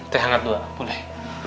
teh hangat dulu boleh